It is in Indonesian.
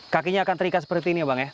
kakinya akan terikat seperti ini ya bang ya